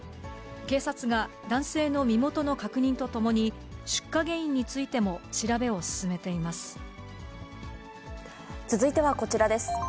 警察が男性の身元の確認とともに、出火原因についても調べを進めています。